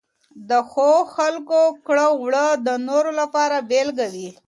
د ښه خلکو کړه وړه د نورو لپاره بېلګه وي.